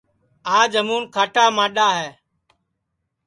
آج ہمُون کھاٹا ماڈؔا ہے